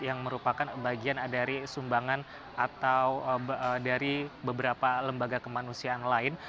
yang merupakan bagian dari sumbangan atau dari beberapa lembaga kemanusiaan lain